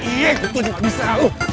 iya kok tuh gak bisa